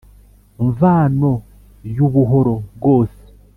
mvano yu buhoro bwose